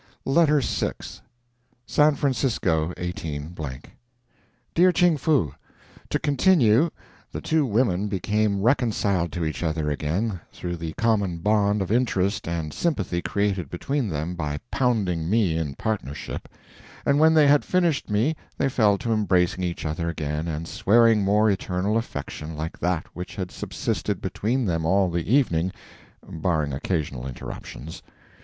LETTER VI SAN FRANCISCO, 18 . DEAR CHING FOO: To continue the two women became reconciled to each other again through the common bond of interest and sympathy created between them by pounding me in partnership, and when they had finished me they fell to embracing each other again and swearing more eternal affection like that which had subsisted between them all the evening, barring occasional interruptions.